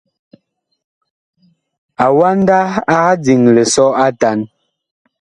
Awanda ag diŋ lisɔ atan.